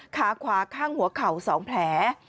ขาขวาข้างหัวเข่า๒แผล